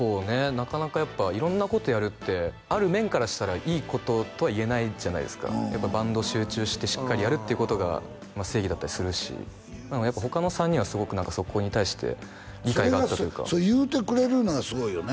なかなかやっぱ色んなことやるってある面からしたらいいこととは言えないじゃないですかやっぱバンド集中してしっかりやるってことが正義だったりするし他の３人はすごくそこに対して理解があったというかそれ言うてくれるいうのがすごいよね